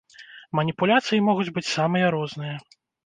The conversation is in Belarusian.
Маніпуляцыі могуць быць самыя розныя.